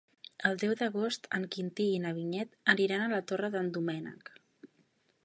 El deu d'agost en Quintí i na Vinyet aniran a la Torre d'en Doménec.